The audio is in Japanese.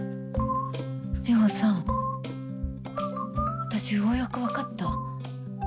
ミホさん私ようやく分かった。